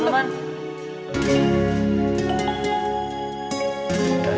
itu yang bener aja